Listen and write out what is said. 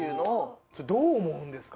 どう思うんですか？